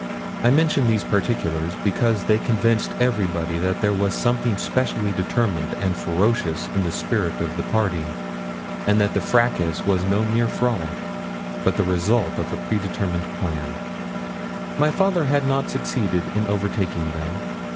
I mention these particulars, because they convinced everybody that there was something specially determined and ferocious in the spirit of the party, and that the fracas was no mere frolic, but the result of a predetermined plan. My father had not succeeded in overtaking them.